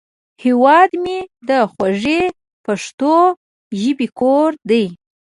هیواد مې د خوږې پښتو ژبې کور دی